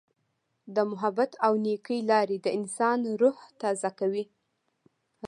د محبت او نیکۍ لارې د انسان روح تازه کوي.